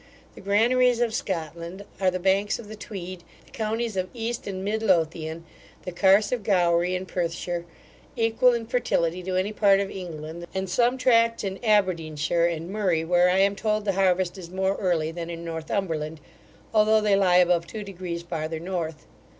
The granaries of Scotland are the banks of the Tweed, the counties of East and Mid Lothian, the Carse of Gowrie, in Perthshire, equal in fertility to any part of England, and some tracts in Aberdeenshire and Murray, where I am told the harvest is more early than in Northumberland, although they lie above two degrees farther north.